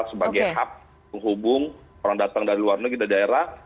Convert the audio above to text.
sebagai hubung orang datang dari luar negeri dan daerah